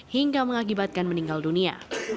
hingga mengakibatkan meninggal dunia